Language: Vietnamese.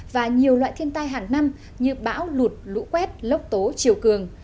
và nhiều loại thiên tai hàng năm như bão lụt lũ quét lốc tố chiều cường